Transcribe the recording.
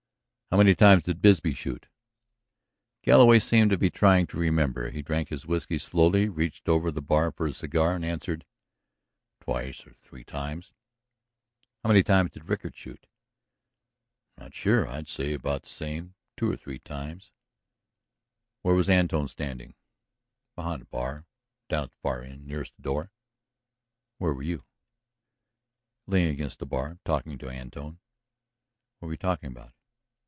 "How many times did Bisbee shoot?" Galloway seemed to be trying to remember. He drank his whiskey slowly, reached over the bar for a cigar, and answered: "Twice or three times." "How many times did Rickard shoot?" "I'm not sure. I'd say about the same; two or three times." "Where was Antone standing?" "Behind the bar; down at the far end, nearest the door." "Where were you?" "Leaning against the bar, talking to Antone." "What were you talking about?"